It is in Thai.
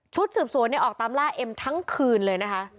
สืบสวนออกตามล่าเอ็มทั้งคืนเลยนะคะ